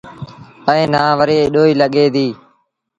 ائيٚݩ نا وري ايٚڏوئيٚ لڳي ديٚ۔